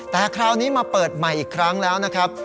แต่คราวนี้มาเปิดใหม่อีกครั้งแล้วนะครับ